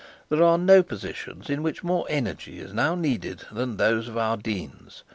'There are no positions in which more energy is now needed than in those of our deans.